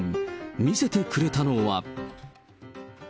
見せてくれたのは。